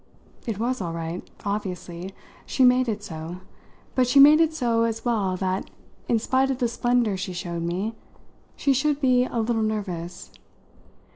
It was all right, obviously she made it so; but she made it so as well that, in spite of the splendour she showed me, she should be a little nervous.